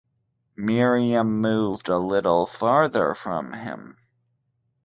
Miriam moved a little farther from him.